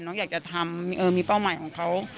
อยากจะทำมีเป้าหมายของเขา